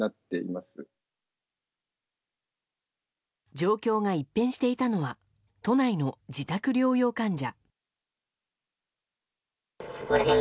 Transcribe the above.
状況が一変していたのは都内の自宅療養患者。